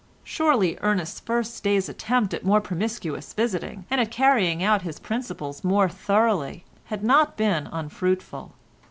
Surely Ernest's first day's attempt at more promiscuous visiting, and at carrying out his principles more thoroughly, had not been unfruitful.